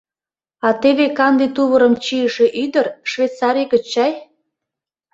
А теве канде тувырым чийыше ӱдыр Швейцарий гыч чай.